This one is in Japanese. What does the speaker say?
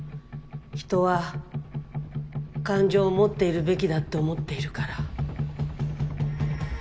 人は感情を持っているべきだと思っているから。